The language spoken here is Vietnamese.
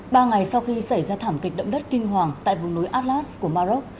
ba ngày sau khi xảy ra thảm kịch động đất kinh hoàng tại vùng núi atlas của maroc